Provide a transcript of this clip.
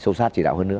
sâu sát chỉ đạo hơn nữa